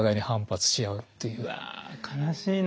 うわ悲しいな。